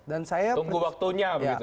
tunggu waktunya begitu ya